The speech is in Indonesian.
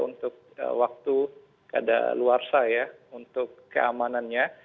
untuk waktu ada luar saya untuk keamanannya